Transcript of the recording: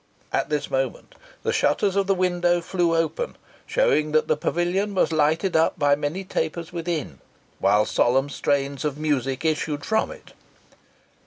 At this moment, the shutters of the windows flew open, showing that the pavilion was lighted up by many tapers within, while solemn strains of music issued from it.